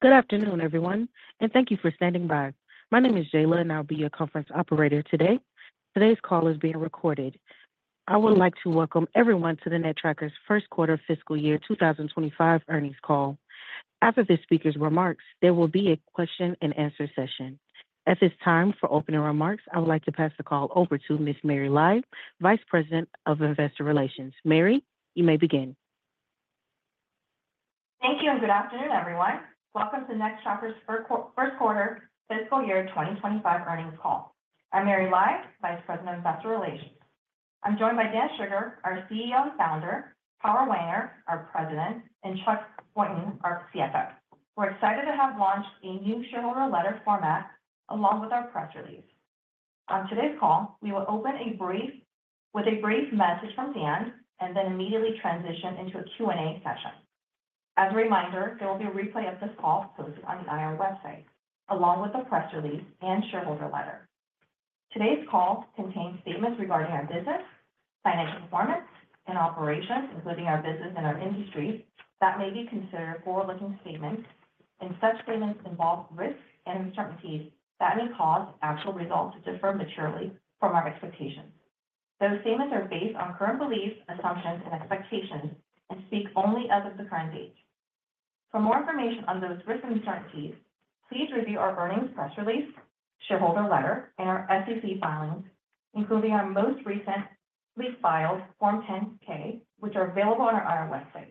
Good afternoon, everyone, and thank you for standing by. My name is Jayla, and I'll be your conference operator today. Today's call is being recorded. I would like to welcome everyone to the Nextracker's first quarter fiscal year 2025 earnings call. After the speaker's remarks, there will be a question and answer session. At this time, for opening remarks, I would like to pass the call over to Miss Mary Lai, Vice President of Investor Relations. Mary, you may begin. Thank you, and good afternoon, everyone. Welcome to Nextracker's first quarter fiscal year 2025 earnings call. I'm Mary Lai, Vice President of Investor Relations. I'm joined by Dan Shugar, our CEO and founder, Howard Wenger, our President, and Chuck Boynton, our CFO. We're excited to have launched a new shareholder letter format, along with our press release. On today's call, we will open with a brief message from Dan, and then immediately transition into a Q&A session. As a reminder, there will be a replay of this call posted on the IR website, along with a press release and shareholder letter. Today's call contains statements regarding our business, financial performance, and operations, including our business and our industry, that may be considered forward-looking statements, and such statements involve risks and uncertainties that may cause actual results to differ materially from our expectations. Those statements are based on current beliefs, assumptions, and expectations and speak only as of the current date. For more information on those risks and uncertainties, please review our earnings press release, shareholder letter, and our SEC filings, including our most recent filed Form 10-K, which are available on our IR website.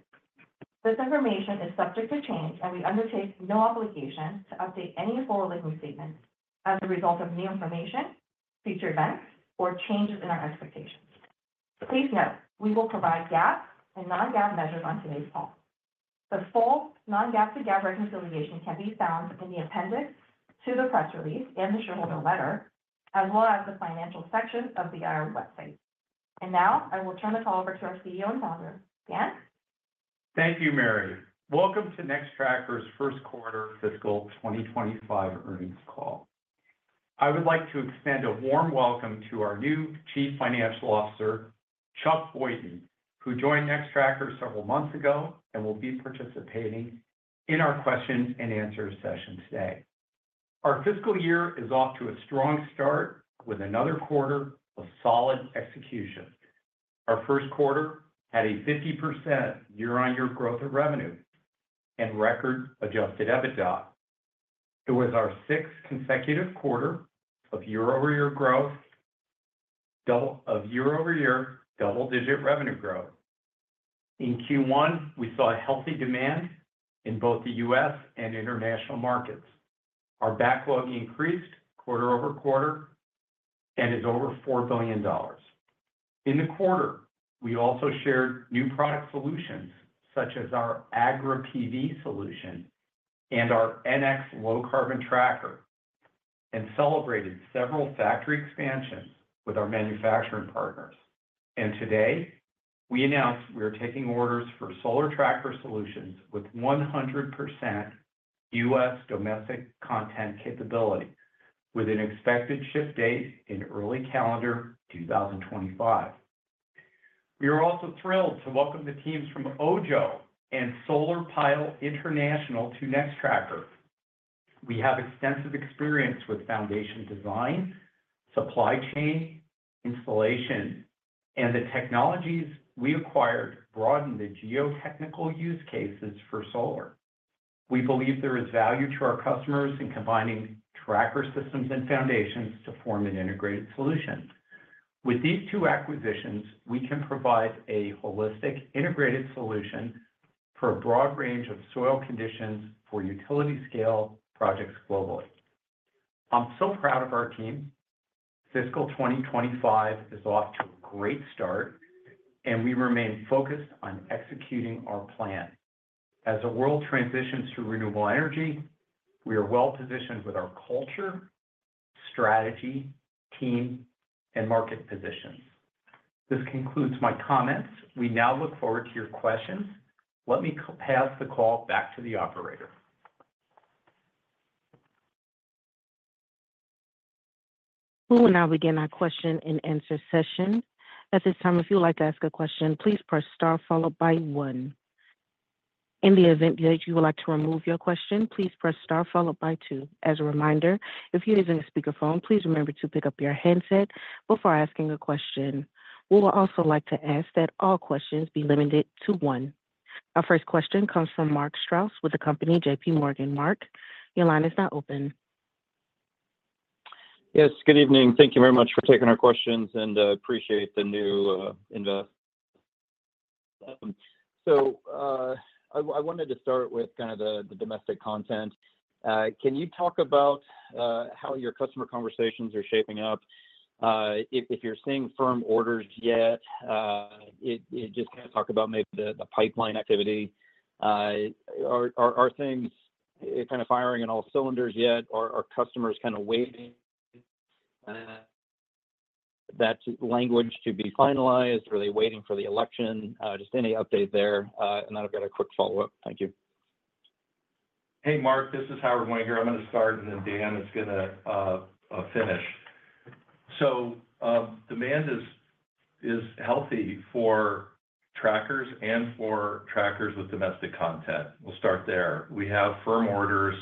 This information is subject to change, and we undertake no obligation to update any forward-looking statements as a result of new information, future events, or changes in our expectations. Please note, we will provide GAAP and non-GAAP measures on today's call. The full non-GAAP to GAAP reconciliation can be found in the appendix to the press release and the shareholder letter, as well as the financial section of the IR website. And now, I will turn the call over to our CEO and founder. Dan? Thank you, Mary. Welcome to Nextracker's first quarter fiscal 2025 earnings call. I would like to extend a warm welcome to our new Chief Financial Officer, Chuck Boynton, who joined Nextracker several months ago and will be participating in our questions and answer session today. Our fiscal year is off to a strong start with another quarter of solid execution. Our first quarter had a 50% year-on-year growth of revenue and record Adjusted EBITDA. It was our sixth consecutive quarter of year-over-year double-digit revenue growth. In Q1, we saw a healthy demand in both the U.S. and international markets. Our backlog increased quarter over quarter and is over $4 billion. In the quarter, we also shared new product solutions, such as our Agri-PV solution and our NX Low Carbon tracker, and celebrated several factory expansions with our manufacturing partners. Today, we announced we are taking orders for solar tracker solutions with 100% U.S. domestic content capability, with an expected ship date in early calendar 2025. We are also thrilled to welcome the teams from Ojjo and Solar Pile International to Nextracker. We have extensive experience with foundation design, supply chain, installation, and the technologies we acquired broaden the geotechnical use cases for solar. We believe there is value to our customers in combining tracker systems and foundations to form an integrated solution. With these two acquisitions, we can provide a holistic, integrated solution for a broad range of soil conditions for utility-scale projects globally. I'm so proud of our team. Fiscal 2025 is off to a great start, and we remain focused on executing our plan. As the world transitions to renewable energy, we are well-positioned with our culture, strategy, team, and market positions. This concludes my comments. We now look forward to your questions. Let me pass the call back to the operator. We will now begin our question and answer session. At this time, if you would like to ask a question, please press star followed by one. In the event that you would like to remove your question, please press star followed by two. As a reminder, if you're using a speakerphone, please remember to pick up your handset before asking a question. We would also like to ask that all questions be limited to one. Our first question comes from Mark Strouse with the company J.P. Morgan. Mark, your line is now open. Yes, good evening. Thank you very much for taking our questions, and appreciate the new investor letter. So, I wanted to start with kind of the domestic content. Can you talk about how your customer conversations are shaping up, if you're seeing firm orders yet? Just kind of talk about maybe the pipeline activity. Are things kind of firing on all cylinders yet? Or are customers kind of waiting that language to be finalized or are they waiting for the election? Just any update there, and then I've got a quick follow-up. Thank you. Hey, Mark, this is Howard Wenger. I'm going to start, and then Dan is going to finish. So, demand is healthy for trackers and for trackers with domestic content. We'll start there. We have firm orders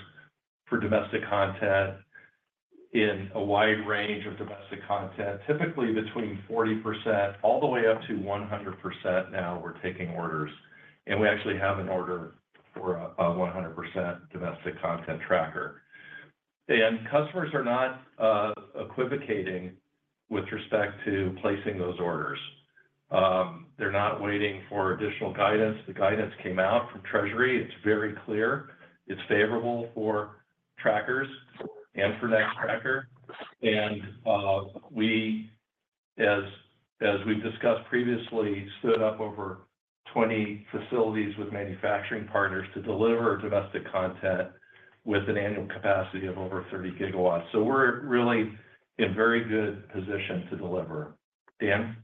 for domestic content in a wide range of domestic content, typically between 40% all the way up to 100% now we're taking orders, and we actually have an order for a 100% domestic content tracker. And customers are not equivocating with respect to placing those orders. They're not waiting for additional guidance. The guidance came out from Treasury. It's very clear, it's favorable for trackers and for Nextracker. And, we, as we've discussed previously, stood up over 20 facilities with manufacturing partners to deliver domestic content with an annual capacity of over 30 GW. So we're really in very good position to deliver. Dan?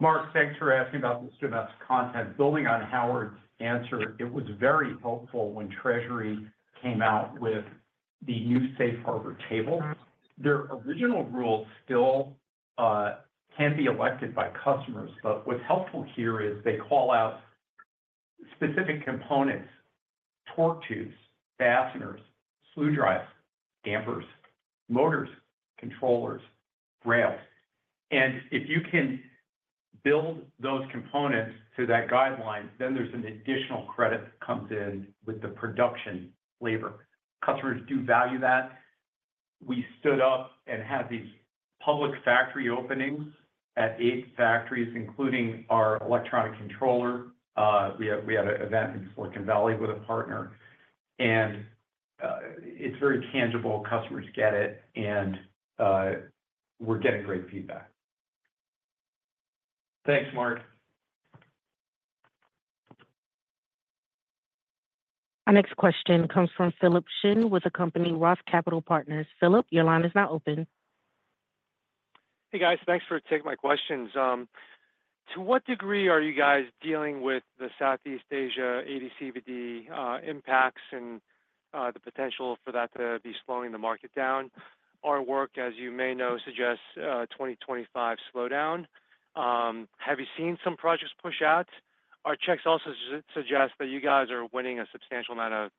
Mark, thanks for asking about this domestic content. Building on Howard's answer, it was very helpful when Treasury came out with the new safe harbor table. Their original rule still can be elected by customers, but what's helpful here is they call out specific components, torque tubes, fasteners, slewing drives, dampers, motors, controllers, rails. And if you can build those components to that guideline, then there's an additional credit that comes in with the production labor. Customers do value that. We stood up and had these public factory openings at eight factories, including our electronic controller. We had an event in Silicon Valley with a partner, and it's very tangible, customers get it, and we're getting great feedback. Thanks, Mark. Our next question comes from Philip Shen with the company Roth Capital Partners. Philip, your line is now open. Hey, guys. Thanks for taking my questions. To what degree are you guys dealing with the Southeast Asia AD/CVD impacts and the potential for that to be slowing the market down? Our work, as you may know, suggests a 2025 slowdown. Have you seen some projects push out? Our checks also suggest that you guys are winning a substantial amount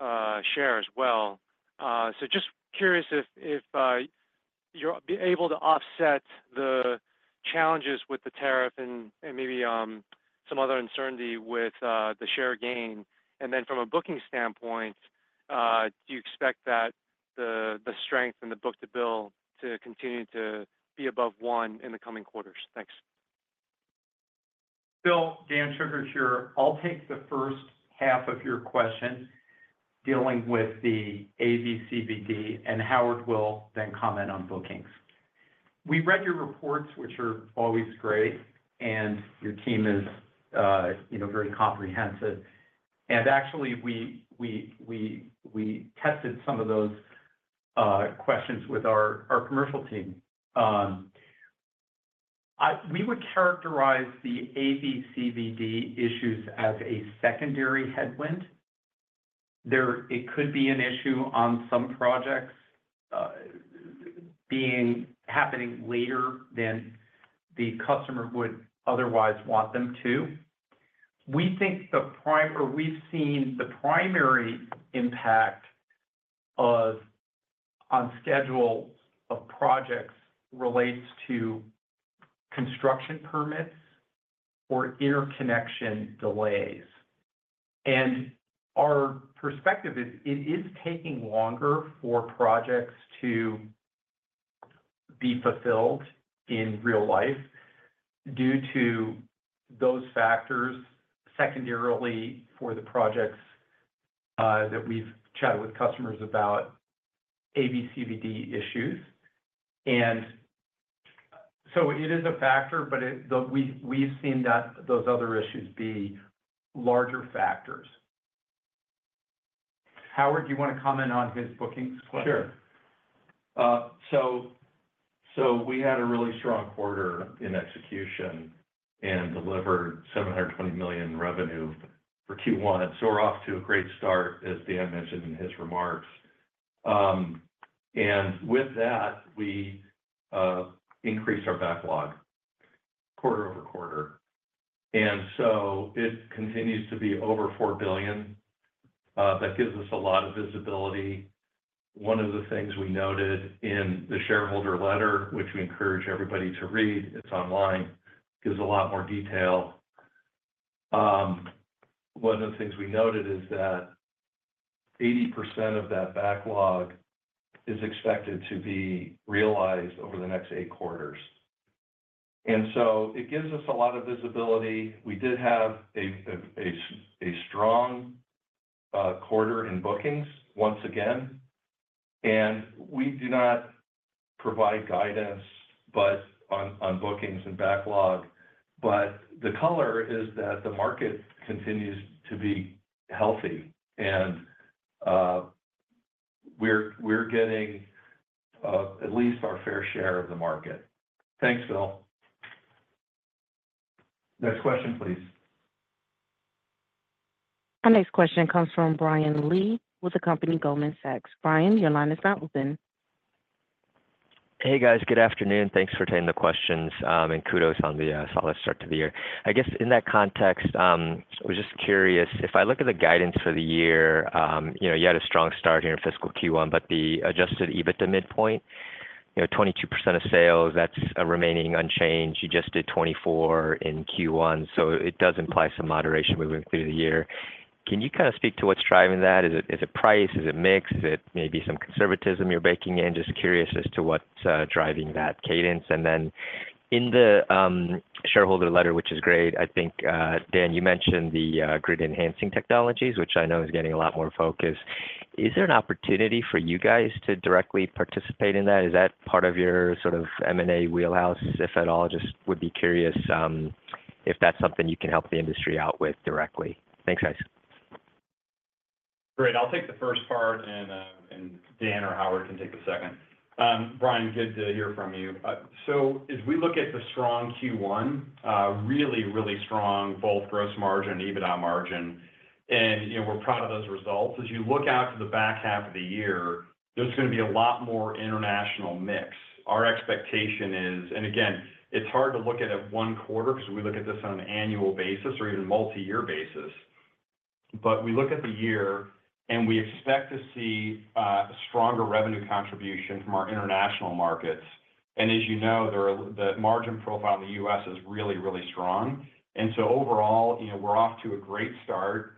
of share as well. So just curious if you're able to offset the challenges with the tariff and maybe some other uncertainty with the share gain. And then from a booking standpoint, do you expect that the strength in the book-to-bill to continue to be above one in the coming quarters? Thanks. Phil, Dan Shugar here. I'll take the first half of your question, dealing with the AD/CVD, and Howard will then comment on bookings. We read your reports, which are always great, and your team is, you know, very comprehensive. And actually, we tested some of those questions with our commercial team. We would characterize the AD/CVD issues as a secondary headwind. There, it could be an issue on some projects, happening later than the customer would otherwise want them to. We think the prime or we've seen the primary impact on schedules of projects relates to construction permits or interconnection delays. And our perspective is, it is taking longer for projects to be fulfilled in real life due to those factors, secondarily, for the projects that we've chatted with customers about AD/CVD issues. And so it is a factor, but we, we've seen that those other issues be larger factors. Howard, do you want to comment on his bookings question? Sure. So we had a really strong quarter in execution and delivered $720 million revenue for Q1. So we're off to a great start, as Dan mentioned in his remarks. And with that, we increased our backlog quarter-over-quarter, and so it continues to be over $4 billion. That gives us a lot of visibility. One of the things we noted in the shareholder letter, which we encourage everybody to read, it's online, gives a lot more detail. One of the things we noted is that 80% of that backlog is expected to be realized over the next eight quarters. And so it gives us a lot of visibility. We did have a strong quarter in bookings once again, and we do not provide guidance, but on bookings and backlog. But the color is that the market continues to be healthy, and we're getting at least our fair share of the market. Thanks, Phil. Next question, please. Our next question comes from Brian Lee with the company Goldman Sachs. Brian, your line is now open. Hey, guys. Good afternoon. Thanks for taking the questions, and kudos on the solid start to the year. I guess in that context, I was just curious, if I look at the guidance for the year, you know, you had a strong start here in fiscal Q1, but the Adjusted EBITDA midpoint, you know, 22% of sales, that's remaining unchanged. You just did 24% in Q1, so it does imply some moderation moving through the year. Can you kind of speak to what's driving that? Is it price? Is it mix? Is it maybe some conservatism you're baking in? Just curious as to what's driving that cadence. And then in the shareholder letter, which is great, I think, Dan, you mentioned the grid-enhancing technologies, which I know is getting a lot more focus. Is there an opportunity for you guys to directly participate in that? Is that part of your sort of M&A wheelhouse, if at all? Just would be curious, if that's something you can help the industry out with directly. Thanks, guys. Great. I'll take the first part, and, and Dan or Howard can take the second. Brian, good to hear from you. So as we look at the strong Q1, really, really strong, both gross margin and EBITDA margin, and, you know, we're proud of those results. As you look out to the back half of the year, there's gonna be a lot more international mix. Our expectation is, and again, it's hard to look at it one quarter, because we look at this on an annual basis or even multi-year basis. But we look at the year, and we expect to see, stronger revenue contribution from our international markets. And as you know, the, the margin profile in the U.S. is really, really strong. And so overall, you know, we're off to a great start.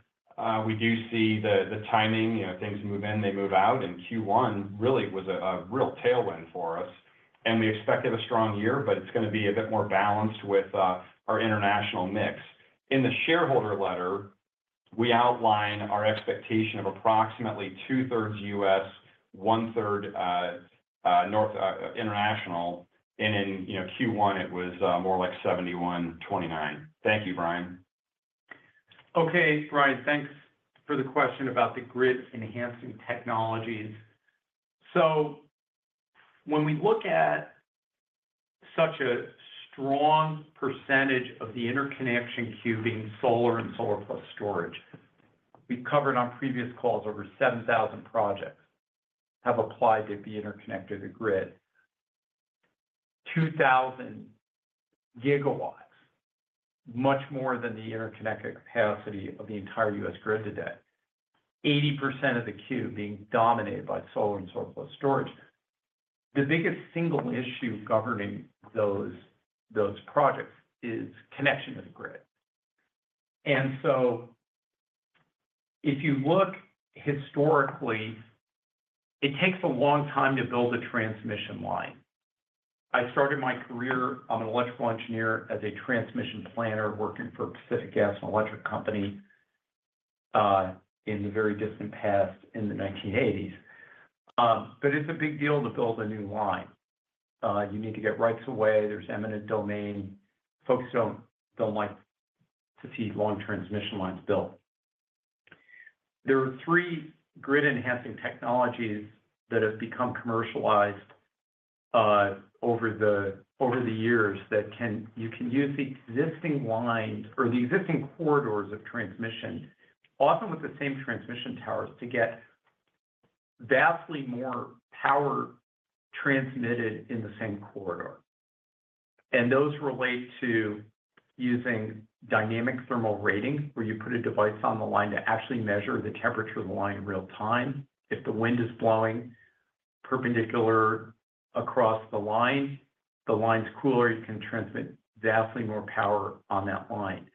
We do see the timing, you know, things move in, they move out, and Q1 really was a real tailwind for us. We expected a strong year, but it's gonna be a bit more balanced with our international mix. In the shareholder letter, we outline our expectation of approximately two-thirds U.S., one-third international, and in, you know, Q1, it was more like 71-29. Thank you, Brian. Okay, Brian, thanks for the question about the Grid-Enhancing Technologies. So when we look at such a strong percentage of the interconnection queue being solar and solar plus storage, we've covered on previous calls, over 7,000 projects have applied to be interconnected to grid. 2,000 GW, much more than the interconnected capacity of the entire U.S. grid today. 80% of the queue being dominated by solar and solar plus storage. The biggest single issue governing those, those projects is connection to the grid. And so if you look historically, it takes a long time to build a transmission line. I started my career, I'm an electrical engineer, as a transmission planner, working for Pacific Gas and Electric Company, in the very distant past, in the 1980s. But it's a big deal to build a new line. You need to get right-of-way. There's eminent domain. Folks don't, don't like to see long transmission lines built. There are three grid-enhancing technologies that have become commercialized over the years that can—you can use the existing lines or the existing corridors of transmission, often with the same transmission towers, to get vastly more power transmitted in the same corridor. And those relate to using Dynamic Thermal Ratings, where you put a device on the line to actually measure the temperature of the line in real time. If the wind is blowing perpendicular across the line, the line's cooler, you can transmit vastly more power on that line.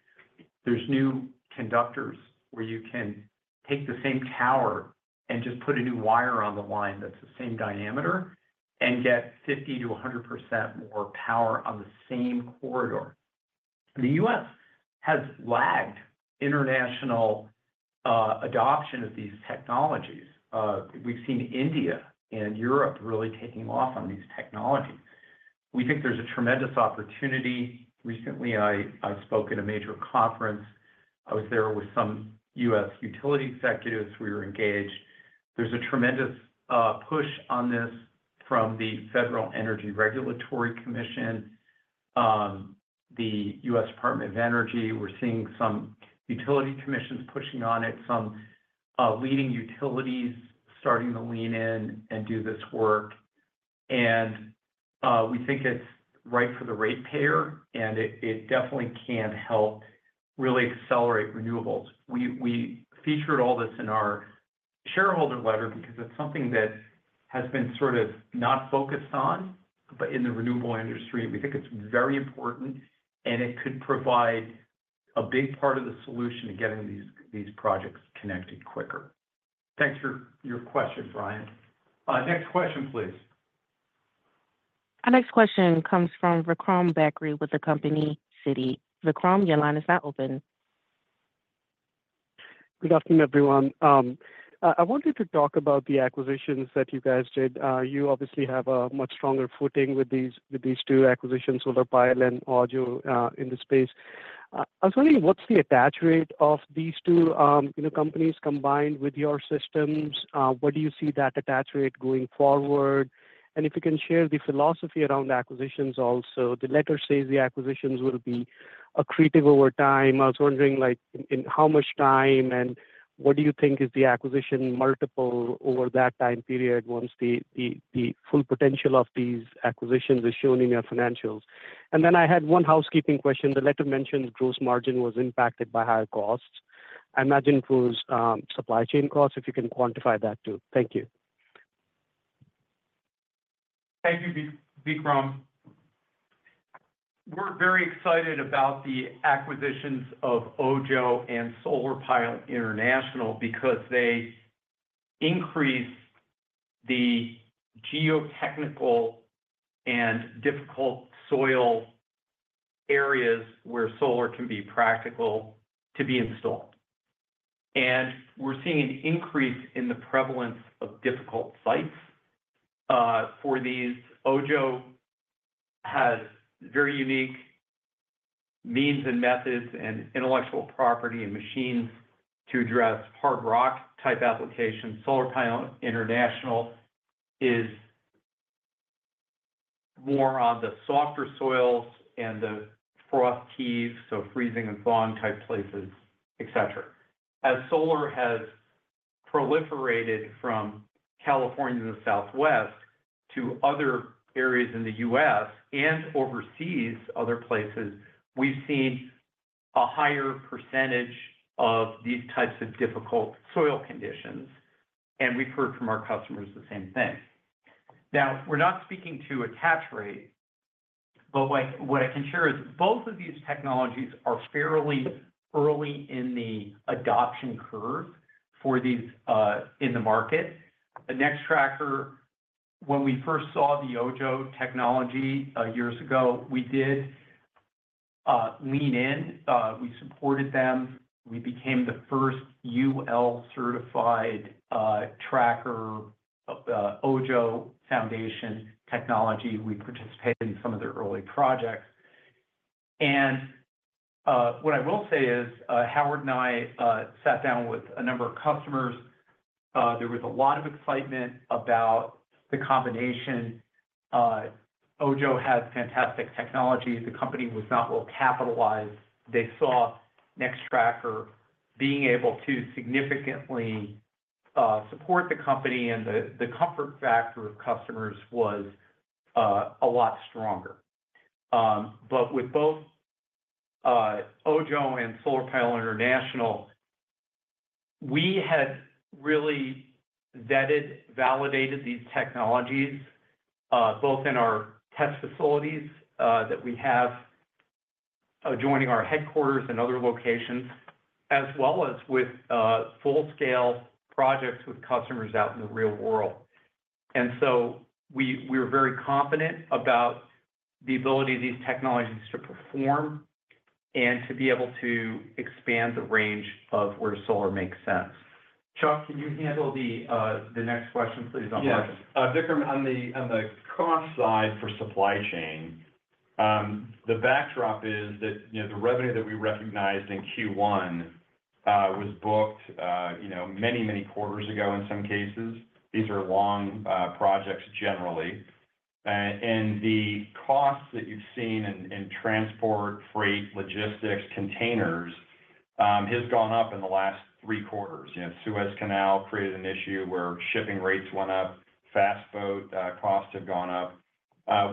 There's new conductors where you can take the same tower and just put a new wire on the line that's the same diameter and get 50%-100% more power on the same corridor. The U.S. has lagged international adoption of these technologies. We've seen India and Europe really taking off on these technologies. We think there's a tremendous opportunity. Recently, I spoke at a major conference. I was there with some U.S. utility executives. We were engaged. There's a tremendous push on this from the Federal Energy Regulatory Commission, the U.S. Department of Energy. We're seeing some utility commissions pushing on it, some leading utilities starting to lean in and do this work. We think it's right for the ratepayer, and it definitely can help really accelerate renewables. We featured all this in our shareholder letter because it's something that has been sort of not focused on, but in the renewable industry, we think it's very important, and it could provide a big part of the solution to getting these projects connected quicker. Thanks for your question, Brian. Next question, please. Our next question comes from Vikram Bagri with the company Citi. Vikram, your line is now open. Good afternoon, everyone. I wanted to talk about the acquisitions that you guys did. You obviously have a much stronger footing with these, with these two acquisitions, Solar Pile and Ojjo, in the space. I was wondering what's the attach rate of these two, you know, companies combined with your systems? Where do you see that attach rate going forward? And if you can share the philosophy around the acquisitions also. The letter says the acquisitions will be accretive over time. I was wondering, like, in how much time, and what do you think is the acquisition multiple over that time period, once the full potential of these acquisitions is shown in your financials? And then I had one housekeeping question. The letter mentioned gross margin was impacted by higher costs. I imagine it was, supply chain costs, if you can quantify that, too. Thank you. Thank you, Vikram. We're very excited about the acquisitions of Ojjo and Solar Pile International because they increase the geotechnical and difficult soil areas where solar can be practical to be installed. And we're seeing an increase in the prevalence of difficult sites for these. Ojjo has very unique means and methods and intellectual property and machines to address hard rock-type applications. Solar Pile International is more on the softer soils and the frost heaves, so freezing and thawing type places, et cetera. As solar has proliferated from California to the Southwest to other areas in the U.S. and overseas, other places, we've seen a higher percentage of these types of difficult soil conditions, and we've heard from our customers the same thing. Now, we're not speaking to attach rate, but what I can share is both of these technologies are fairly early in the adoption curve for these in the market. Nextracker, when we first saw the Ojjo technology years ago, we did lean in, we supported them. We became the first UL-certified tracker of the Ojjo Foundation Technology. We participated in some of their early projects. And what I will say is, Howard and I sat down with a number of customers. There was a lot of excitement about the combination. Ojjo has fantastic technology. The company was not well capitalized. They saw Nextracker being able to significantly support the company, and the comfort factor of customers was a lot stronger. But with both Ojjo and Solar Pile International, we had really vetted, validated these technologies, both in our test facilities that we have joining our headquarters and other locations, as well as with full-scale projects with customers out in the real world. And so we're very confident about the ability of these technologies to perform and to be able to expand the range of where solar makes sense. Chuck, can you handle the next question, please, on margin? Yes. Vikram, on the cost side for supply chain, the backdrop is that, you know, the revenue that we recognized in Q1 was booked, you know, many, many quarters ago, in some cases. These are long projects, generally. And the cost that you've seen in transport, freight, logistics, containers has gone up in the last three quarters. You know, Suez Canal created an issue where shipping rates went up, fast boat costs have gone up.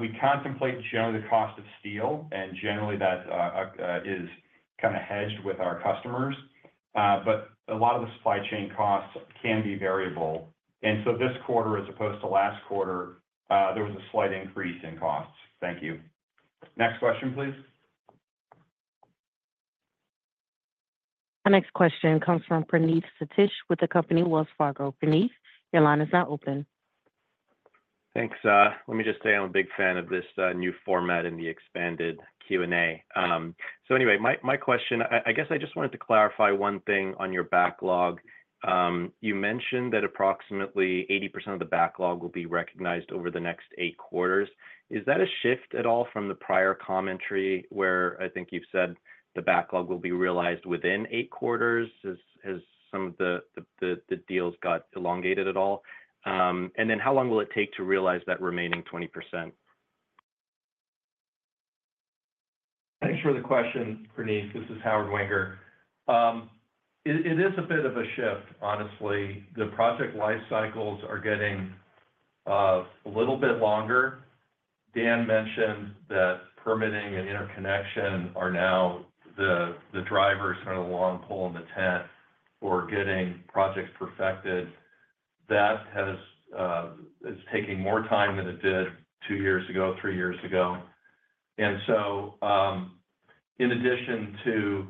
We contemplate generally the cost of steel, and generally that is kinda hedged with our customers. But a lot of the supply chain costs can be variable. So this quarter, as opposed to last quarter, there was a slight increase in costs. Thank you. Next question, please. Our next question comes from Praneeth Satish with the company Wells Fargo. Praneeth, your line is now open. Thanks. Let me just say I'm a big fan of this new format and the expanded Q&A. So anyway, my question, I guess I just wanted to clarify one thing on your backlog. You mentioned that approximately 80% of the backlog will be recognized over the next eight quarters. Is that a shift at all from the prior commentary, where I think you've said the backlog will be realized within eight quarters, as some of the deals got elongated at all? And then how long will it take to realize that remaining 20%? Thanks for the question, Praneeth. This is Howard Wenger. It is a bit of a shift, honestly. The project life cycles are getting a little bit longer. Dan mentioned that permitting and interconnection are now the drivers for the long pole in the tent for getting projects perfected. That is taking more time than it did two years ago, three years ago. And so, in addition to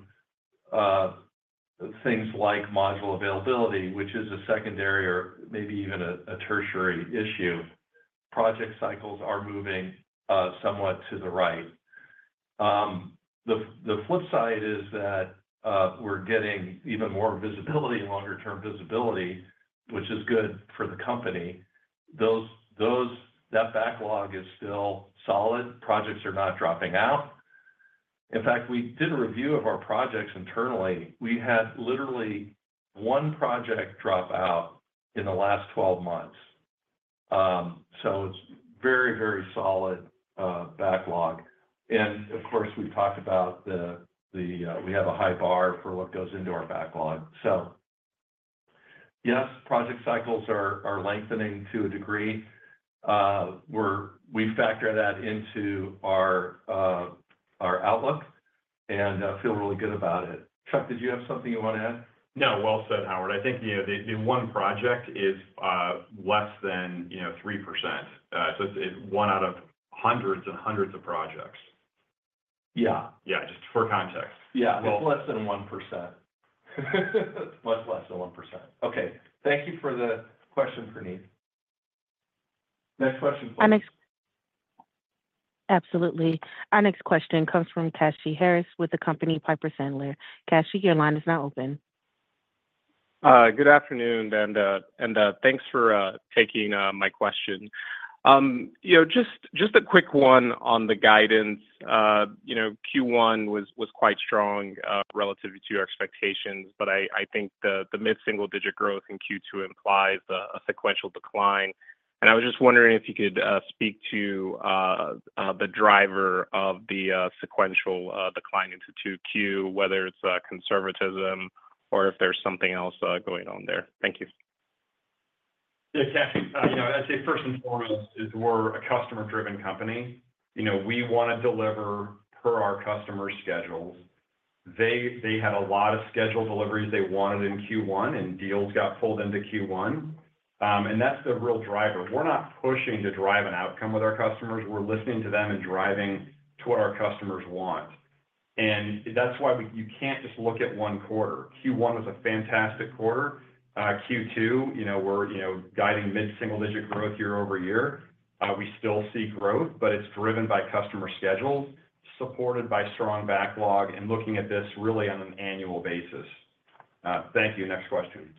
things like module availability, which is a secondary or maybe even a tertiary issue, project cycles are moving somewhat to the right. The flip side is that we're getting even more visibility, longer-term visibility, which is good for the company. That backlog is still solid. Projects are not dropping out. In fact, we did a review of our projects internally. We had literally one project drop out in the last twelve months. So it's very, very solid backlog. And of course, we talked about the... We have a high bar for what goes into our backlog. So yes, project cycles are lengthening to a degree. We factor that into our outlook and feel really good about it. Chuck, did you have something you want to add? No. Well said, Howard. I think, you know, the one project is less than, you know, 3%. So it, it's one out of hundreds and hundreds of projects. Yeah. Yeah, just for context. Yeah. Well- It's less than 1%. Much less than 1%. Okay, thank you for the question, Praneeth. Next question please. Absolutely. Our next question comes from Kashy Harrison with the company Piper Sandler. Kashy, your line is now open. Good afternoon, and thanks for taking my question. You know, just a quick one on the guidance. You know, Q1 was quite strong relative to our expectations, but I think the mid-single-digit growth in Q2 implies a sequential decline. And I was just wondering if you could speak to the driver of the sequential decline into Q2, whether it's conservatism or if there's something else going on there. Thank you. Yeah, Kashy, you know, I'd say first and foremost, is we're a customer-driven company. You know, we want to deliver per our customer schedules. They, they had a lot of scheduled deliveries they wanted in Q1, and deals got pulled into Q1. And that's the real driver. We're not pushing to drive an outcome with our customers, we're listening to them and driving to what our customers want. And that's why we—you can't just look at one quarter. Q1 was a fantastic quarter. Q2, you know, we're, you know, guiding mid-single-digit growth year-over-year. We still see growth, but it's driven by customer schedules, supported by strong backlog, and looking at this really on an annual basis. Thank you. Next question.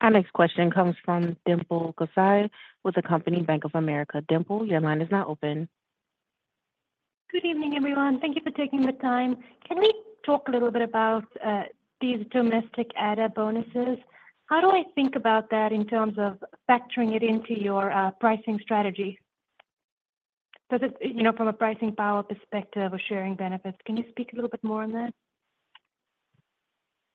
Our next question comes from Dimple Gosai with the company, Bank of America. Dimple, your line is now open. Good evening, everyone. Thank you for taking the time. Can we talk a little bit about these domestic added bonuses? How do I think about that in terms of factoring it into your pricing strategy? Because it, you know, from a pricing power perspective or sharing benefits, can you speak a little bit more on that?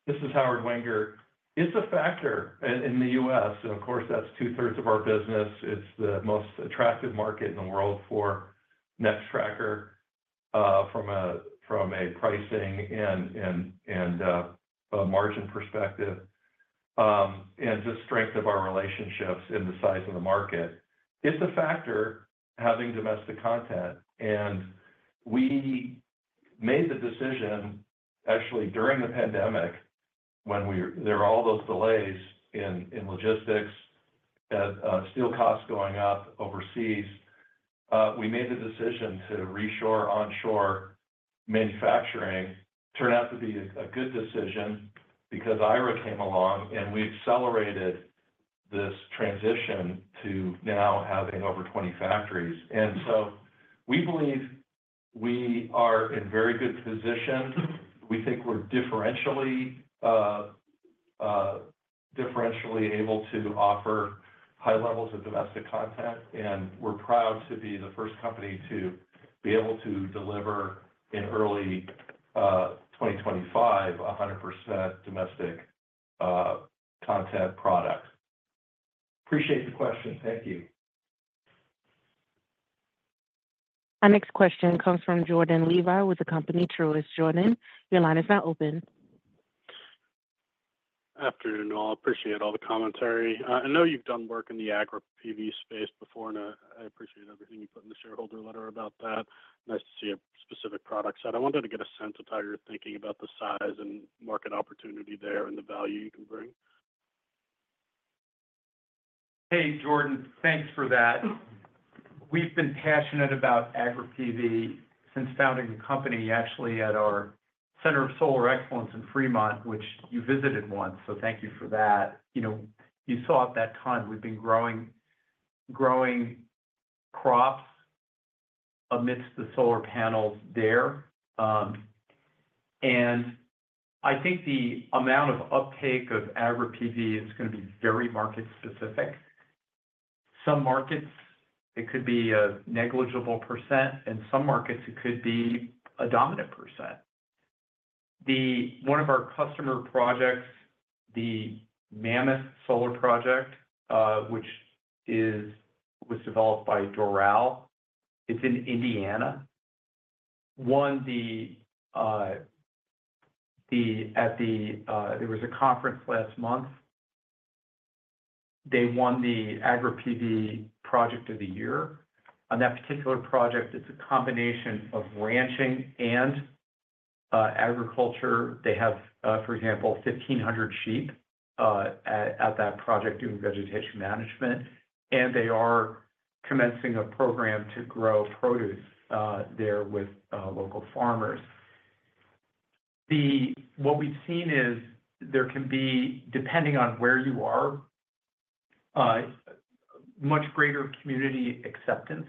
This is Howard Wenger. It's a factor in the U.S., and of course, that's two-thirds of our business. It's the most attractive market in the world for Nextracker from a pricing and a margin perspective, and just strength of our relationships and the size of the market. It's a factor, having domestic content, and we made the decision, actually, during the pandemic, when we There were all those delays in logistics steel costs going up overseas. We made the decision to reshore, onshore manufacturing. Turned out to be a good decision because IRA came along, and we accelerated this transition to now having over 20 factories. And so we believe we are in very good position. We think we're differentially able to offer high levels of domestic content, and we're proud to be the first company to be able to deliver in early 2025, a 100% domestic content product. Appreciate the question. Thank you. Our next question comes from Jordan Levy with the company Truist. Jordan, your line is now open. Afternoon, all. Appreciate all the commentary. I know you've done work in the Agri-PV space before, and I appreciate everything you put in the shareholder letter about that. Nice to see a specific product set. I wanted to get a sense of how you're thinking about the size and market opportunity there, and the value you can bring. Hey, Jordan. Thanks for that. We've been passionate about Agri-PV since founding the company, actually, at our Center for Solar Excellence in Fremont, which you visited once, so thank you for that. You know, you saw at that time we've been growing, growing crops amidst the solar panels there. And I think the amount of uptake of Agri-PV is gonna be very market specific. Some markets, it could be a negligible percent, and some markets, it could be a dominant percent. One of our customer projects, the Mammoth Solar Project, which was developed by Doral, it's in Indiana, won the Agri-PV Project of the Year at the conference last month. On that particular project, it's a combination of ranching and agriculture. They have, for example, 1,500 sheep at that project doing vegetation management, and they are commencing a program to grow produce, there with local farmers. What we've seen is there can be, depending on where you are, much greater community acceptance,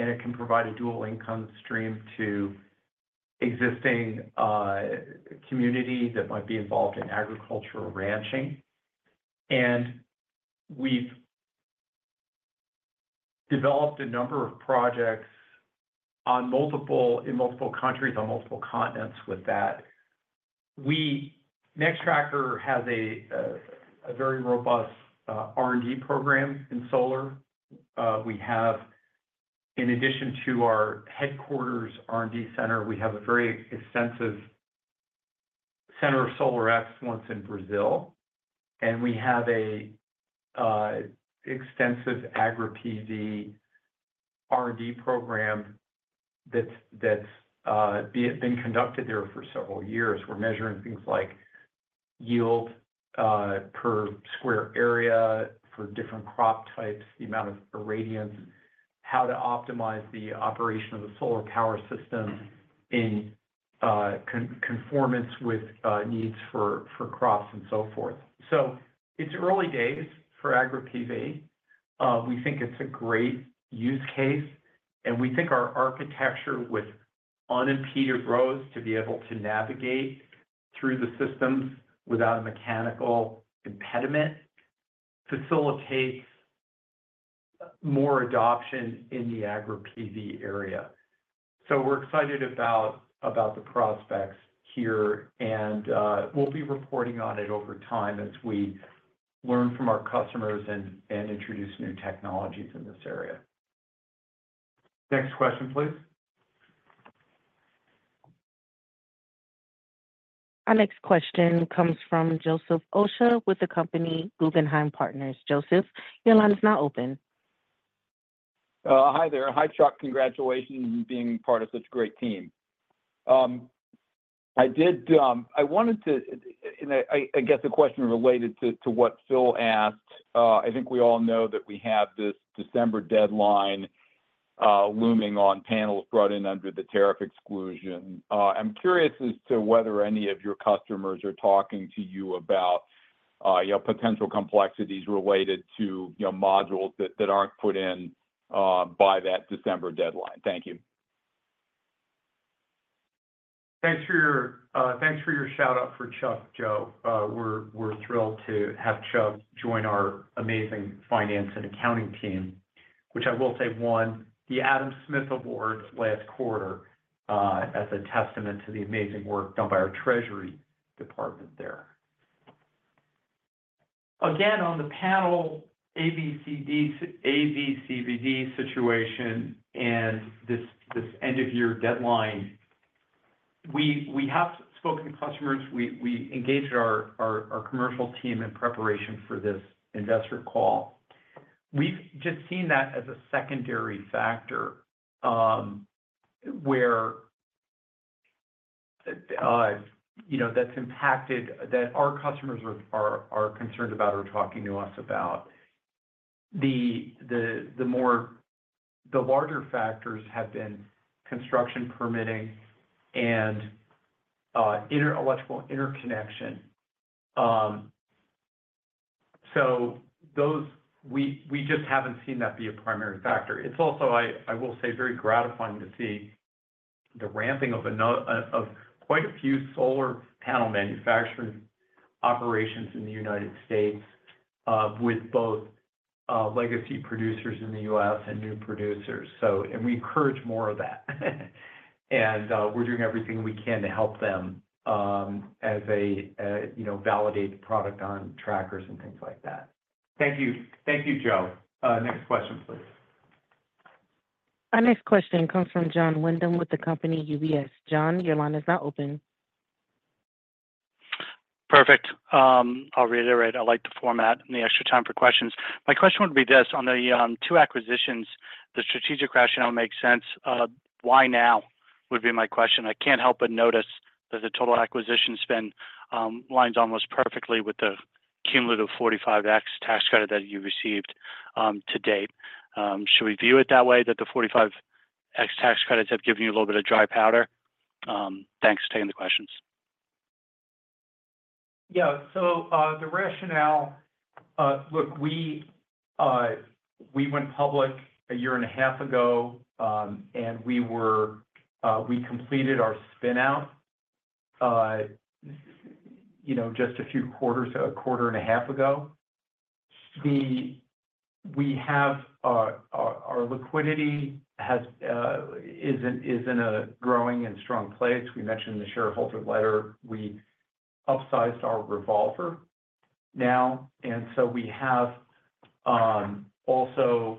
and it can provide a dual income stream to existing community that might be involved in agricultural ranching. We've developed a number of projects in multiple countries, on multiple continents with that. Nextracker has a very robust R&D program in solar. We have, in addition to our headquarters R&D center, a very extensive Center for Solar Excellence in Brazil, and we have an extensive Agri-PV R&D program that's been conducted there for several years. We're measuring things like yield, per square area for different crop types, the amount of irradiance, how to optimize the operation of the solar power system in conformance with needs for crops, and so forth. So it's early days for Agri-PV. We think it's a great use case, and we think our architecture with unimpeded rows to be able to navigate through the systems without a mechanical impediment facilitates more adoption in the Agri-PV area. So we're excited about the prospects here, and we'll be reporting on it over time as we learn from our customers and introduce new technologies in this area. Next question, please. Our next question comes from Joseph Osha with the company Guggenheim Securities. Joseph, your line is now open. Hi there. Hi, Chuck. Congratulations on being part of such a great team. I wanted to, and I guess the question related to what Phil asked. I think we all know that we have this December deadline looming on panels brought in under the tariff exclusion. I'm curious as to whether any of your customers are talking to you about your potential complexities related to your modules that aren't put in by that December deadline. Thank you. Thanks for your shout-out for Chuck, Joe. We're thrilled to have Chuck join our amazing finance and accounting team, which I will say won the Adam Smith Awards last quarter, as a testament to the amazing work done by our treasury department there. Again, on the panel, AD/CVD situation and this end-of-year deadline, we have spoken to customers. We engaged our commercial team in preparation for this investor call. We've just seen that as a secondary factor, where you know that's impacted that our customers are concerned about or talking to us about. The larger factors have been construction permitting and electrical interconnection. So, those. We just haven't seen that be a primary factor. It's also, I will say, very gratifying to see the ramping of of quite a few solar panel manufacturing operations in the United States, with both, legacy producers in the U.S. and new producers. So, and we encourage more of that. And, we're doing everything we can to help them, as they, you know, validate the product on trackers and things like that. Thank you. Thank you, Joe. Next question, please. Our next question comes from Jon Windham with the company UBS. John, your line is now open. Perfect. I'll reiterate, I like the format and the extra time for questions. My question would be this: on the two acquisitions, the strategic rationale makes sense. Why now? Would be my question. I can't help but notice that the total acquisition spend lines almost perfectly with the cumulative 45X tax credit that you received to date. Should we view it that way, that the 45X tax credits have given you a little bit of dry powder? Thanks for taking the questions. Yeah. So, the rationale... Look, we went public a year and a half ago, and we completed our spin-out, you know, just a few quarters, a quarter and a half ago. We have our liquidity is in a growing and strong place. We mentioned in the shareholder letter, we upsized our revolver now, and so we have also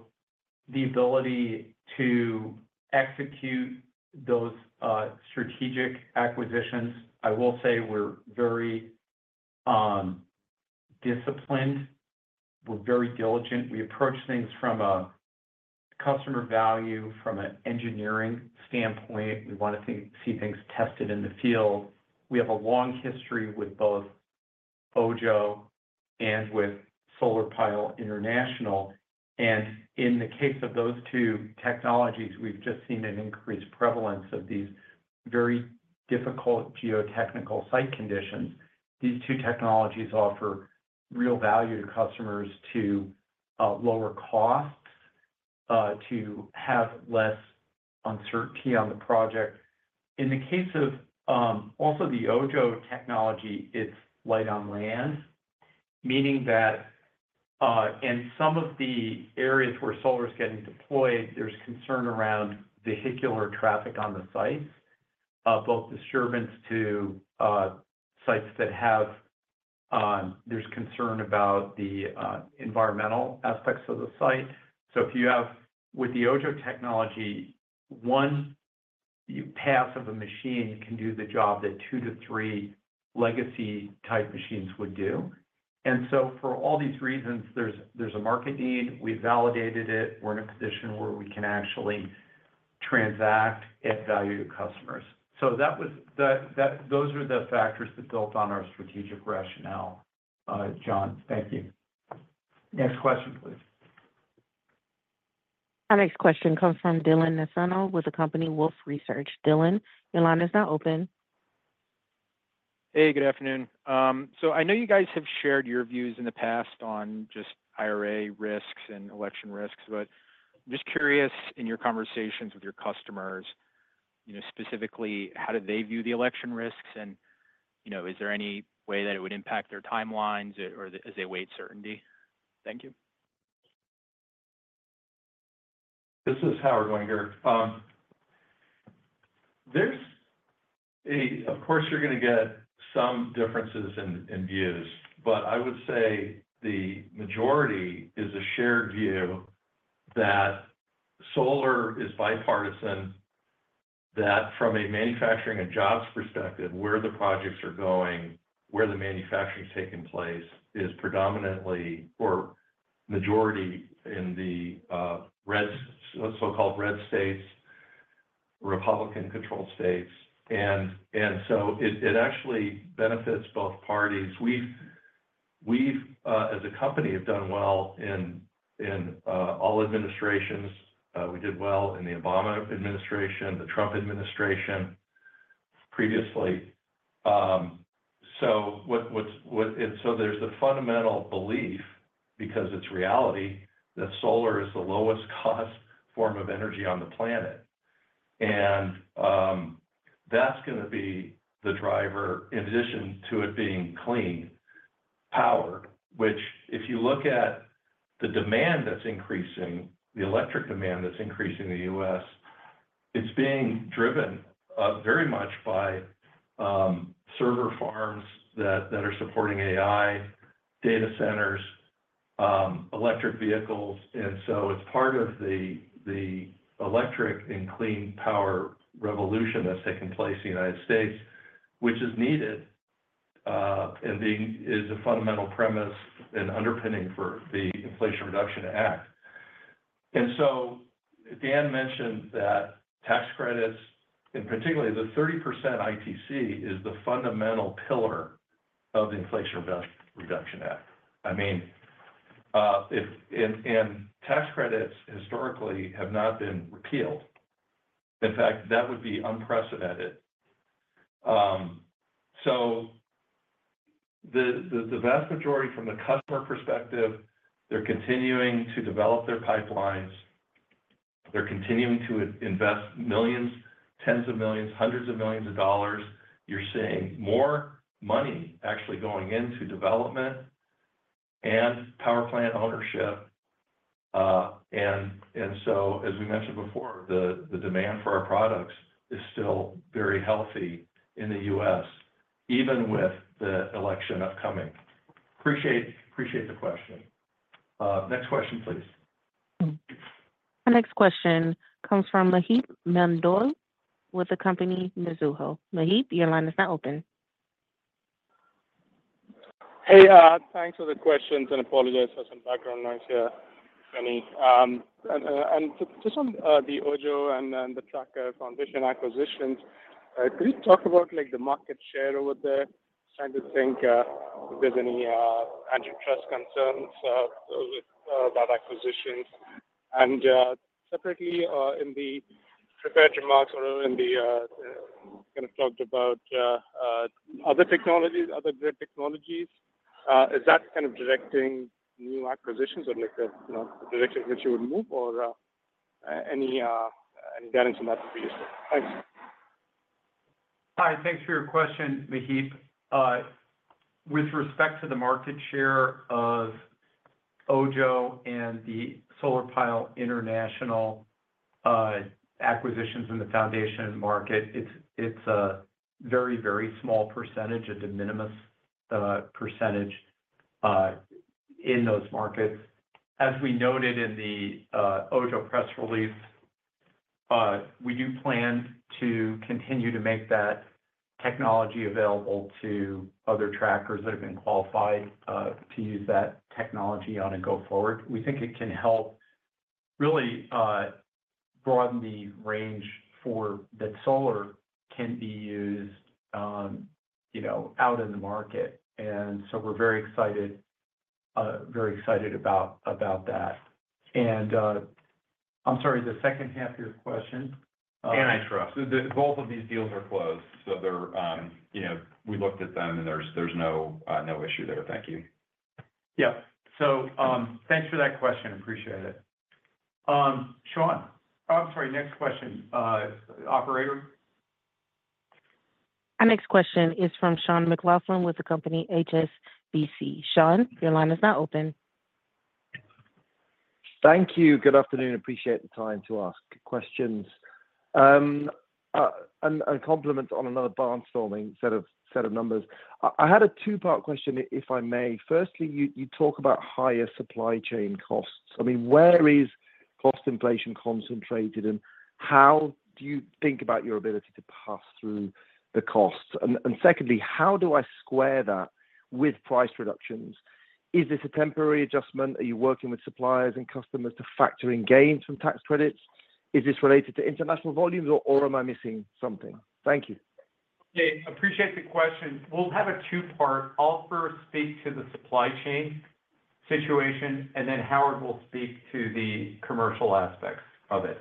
the ability to execute those strategic acquisitions. I will say we're very disciplined, we're very diligent. We approach things from a customer value, from an engineering standpoint. We want to see things tested in the field. We have a long history with both Ojjo and with Solar Pile International. And in the case of those two technologies, we've just seen an increased prevalence of these very difficult geotechnical site conditions. These two technologies offer real value to customers to lower costs to have less uncertainty on the project. In the case of also the Ojjo technology, it's light on land, meaning that in some of the areas where solar is getting deployed, there's concern around vehicular traffic on the site both disturbance to sites that have... There's concern about the environmental aspects of the site. So if you have with the Ojjo technology, one path of a machine can do the job that two to three legacy-type machines would do. And so for all these reasons, there's a market need. We validated it. We're in a position where we can actually transact, add value to customers. So that was the, that, those are the factors that built on our strategic rationale. John, thank you. Next question, please. Our next question comes from Dylan Nassano with the company Wolfe Research. Dylan, your line is now open. Hey, good afternoon. So I know you guys have shared your views in the past on just IRA risks and election risks, but just curious, in your conversations with your customers, you know, specifically, how do they view the election risks? You know, is there any way that it would impact their timelines or as they await certainty? Thank you. This is Howard Wenger. Of course, you're gonna get some differences in views, but I would say the majority is a shared view that solar is bipartisan. That from a manufacturing and jobs perspective, where the projects are going, where the manufacturing is taking place, is predominantly or majority in the red, so-called red states, Republican-controlled states. And so it actually benefits both parties. We've as a company have done well in all administrations. We did well in the Obama administration, the Trump administration previously. And so there's a fundamental belief, because it's reality, that solar is the lowest cost form of energy on the planet. That's gonna be the driver, in addition to it being clean power, which if you look at the demand that's increasing, the electric demand that's increasing in the U.S., it's being driven very much by server farms that are supporting AI, data centers, electric vehicles. So it's part of the electric and clean power revolution that's taking place in the United States, which is needed and is a fundamental premise and underpinning for the Inflation Reduction Act. So Dan mentioned that tax credits, and particularly the 30% ITC, is the fundamental pillar of the Inflation Reduction Act. I mean, and tax credits historically have not been repealed. In fact, that would be unprecedented. So the vast majority from the customer perspective, they're continuing to develop their pipelines, they're continuing to invest millions, tens of millions, hundreds of millions of dollars. You're seeing more money actually going into development and power plant ownership. And so, as we mentioned before, the demand for our products is still very healthy in the U.S., even with the election upcoming. Appreciate the question. Next question, please. Our next question comes from Maheep Mandloi with the company Mizuho. Maheep, your line is now open. Hey, thanks for the questions, and I apologize for some background noise here. Just on the Ojjo and the Tracker Foundation acquisitions, could you talk about, like, the market share over there? Trying to think if there's any antitrust concerns with that acquisition. Separately, in the prepared remarks or in the kind of talked about other technologies, other grid technologies, is that kind of directing new acquisitions or, like, the you know, the direction which you would move or any guidance on that would be useful? Thanks. Hi, thanks for your question, Maheep. With respect to the market share of Ojjo and the Solar Pile International acquisitions in the foundation market, it's a very, very small percentage, a de minimis percentage, in those markets. As we noted in the Ojjo press release, we do plan to continue to make that technology available to other trackers that have been qualified to use that technology on a go forward. We think it can help really broaden the range for that solar can be used, you know, out in the market. And so we're very excited, very excited about that. And, I'm sorry, the second half of your question, Antitrust. So both of these deals are closed, so they're, you know, we looked at them, and there's no issue there. Thank you. Yep. So, thanks for that question. Appreciate it. Sean. Oh, I'm sorry. Next question. Operator? Our next question is from Sean McLoughlin with the company HSBC. Sean, your line is now open. Thank you. Good afternoon. Appreciate the time to ask questions and compliments on another barnstorming set of numbers. I had a two-part question, if I may. Firstly, you talk about higher supply chain costs. I mean, where is cost inflation concentrated, and how do you think about your ability to pass through the costs? And secondly, how do I square that with price reductions? Is this a temporary adjustment? Are you working with suppliers and customers to factor in gains from tax credits? Is this related to international volumes, or am I missing something? Thank you. Yeah, appreciate the question. We'll have a two-part. I'll first speak to the supply chain situation, and then Howard will speak to the commercial aspects of it.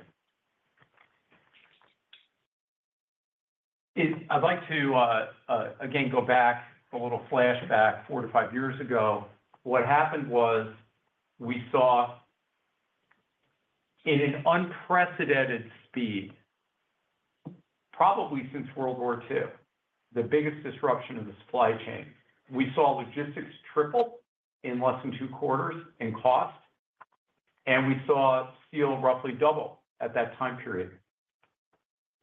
I'd like to, again, go back, a little flashback four to five years ago. What happened was, we saw in an unprecedented speed, probably since World War II, the biggest disruption in the supply chain. We saw logistics triple in less than 2 quarters in cost, and we saw steel roughly double at that time period.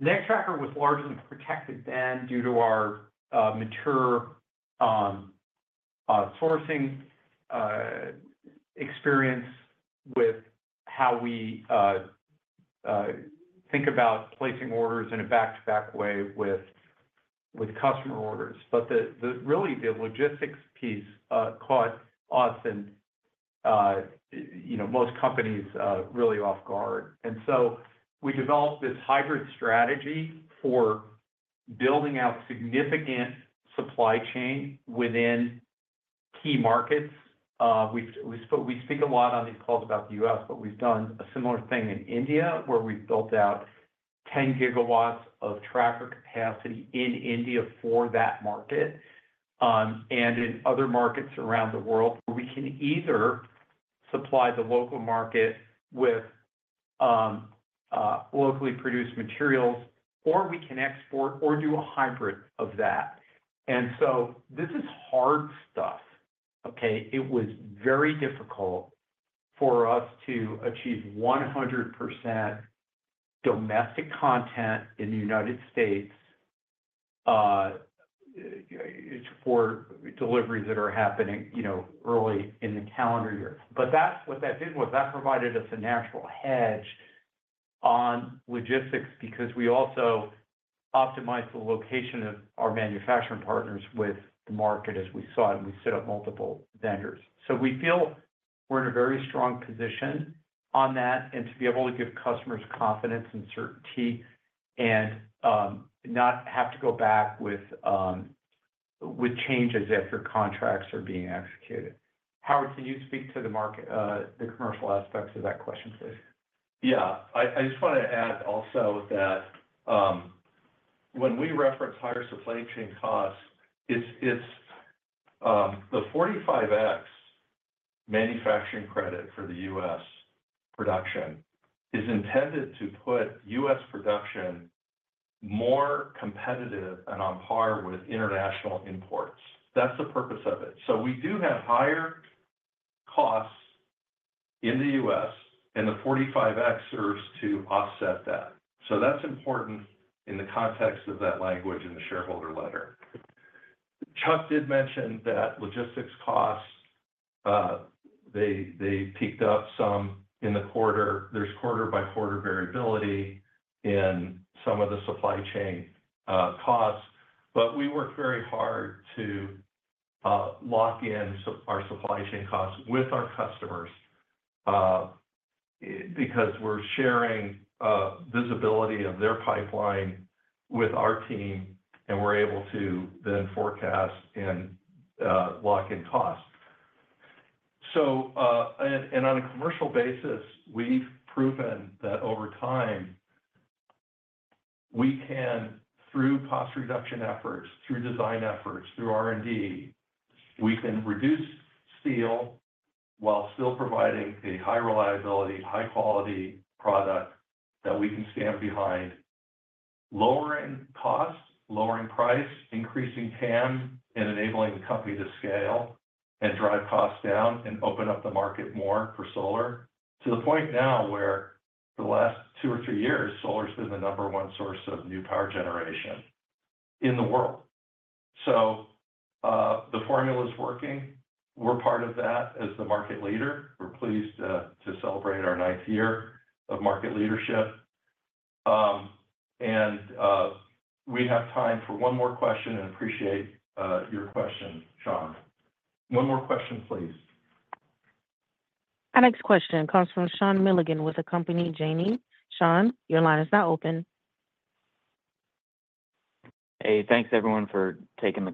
Nextracker was largely protected then due to our, mature, sourcing, experience with how we, think about placing orders in a back-to-back way with, with customer orders. But the, the-- really, the logistics piece, caught us and, you know, most companies, really off guard. We developed this hybrid strategy for building out significant supply chain within key markets. We've—we speak a lot on these calls about the U.S., but we've done a similar thing in India, where we've built out 10 GW of tracker capacity in India for that market, and in other markets around the world, where we can either supply the local market with locally produced materials, or we can export or do a hybrid of that. And so this is hard stuff, okay? It was very difficult for us to achieve 100% domestic content in the United States for deliveries that are happening, you know, early in the calendar year. But that's what that did was that provided us a natural hedge on logistics because we also optimized the location of our manufacturing partners with the market as we saw it, and we set up multiple vendors. So we feel we're in a very strong position on that and to be able to give customers confidence and certainty and not have to go back with changes after contracts are being executed. Howard, can you speak to the market, the commercial aspects of that question, please? Yeah. I just want to add also that, when we reference higher supply chain costs, it's. The 45X manufacturing credit for the U.S. production is intended to put U.S. production more competitive and on par with international imports. That's the purpose of it. So we do have higher costs in the U.S., and the 45X serves to offset that. So that's important in the context of that language in the shareholder letter. Chuck did mention that logistics costs, they peaked up some in the quarter. There's quarter by quarter variability in some of the supply chain costs, but we work very hard to lock in our supply chain costs with our customers, because we're sharing visibility of their pipeline with our team, and we're able to then forecast and lock in costs. So, and on a commercial basis, we've proven that over time, we can, through cost reduction efforts, through design efforts, through R&D, we can reduce steel while still providing a high reliability, high-quality product that we can stand behind, lowering costs, lowering price, increasing TAM, and enabling the company to scale and drive costs down and open up the market more for solar. To the point now where the last two or three years, solar has been the number one source of new power generation in the world. So, the formula is working. We're part of that as the market leader. We're pleased to celebrate our ninth year of market leadership. And we have time for one more question, and appreciate your question, Sean. One more question, please. Our next question comes from Sean Milligan, with the company Janney. Sean, your line is now open. Hey, thanks everyone for taking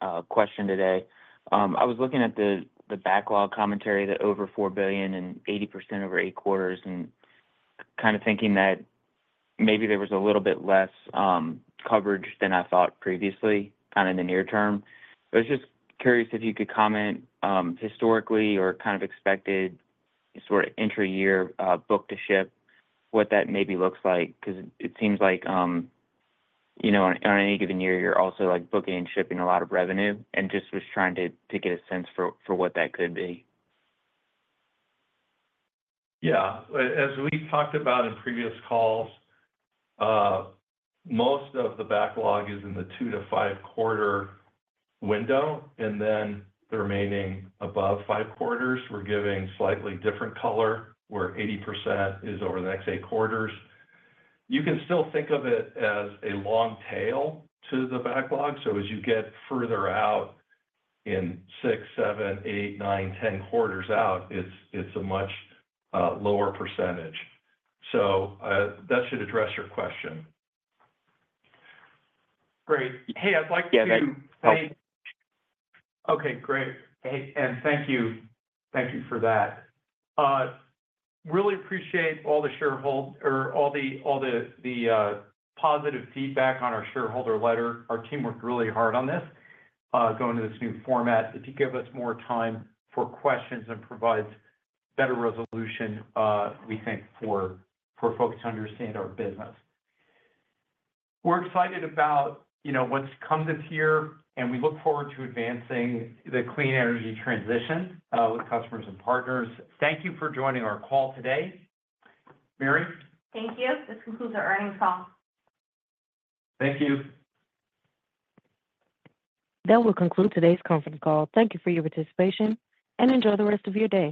the question today. I was looking at the backlog commentary, that over $4 billion and 80% over eight quarters, and kind of thinking that maybe there was a little bit less coverage than I thought previously, kind of in the near term. So I was just curious if you could comment historically or kind of expected sort of intra-year book to ship, what that maybe looks like? Because it seems like, you know, on any given year, you're also like booking and shipping a lot of revenue, and just was trying to get a sense for what that could be. Yeah. As we talked about in previous calls, most of the backlog is in the two to five quarter window, and then the remaining above five quarters, we're giving slightly different color, where 80% is over the next eight quarters. You can still think of it as a long tail to the backlog, so as you get further out in six, seven, eight, nine, 10 quarters out, it's a much lower percentage. So, that should address your question. Great. Hey, I'd like to- Yeah, that helped. Okay, great. Hey, and thank you, thank you for that. Really appreciate all the positive feedback on our shareholder letter. Our team worked really hard on this, going to this new format. It did give us more time for questions and provides better resolution, we think, for folks to understand our business. We're excited about, you know, what's to come this year, and we look forward to advancing the clean energy transition with customers and partners. Thank you for joining our call today. Mary? Thank you. This concludes our earnings call. Thank you. That will conclude today's conference call. Thank you for your participation, and enjoy the rest of your day.